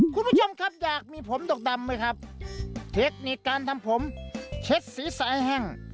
คุณผู้ชมครับอยากมีผมดกดำไหมครับเทคนิคการทำผมเช็ดสีสายแห้ง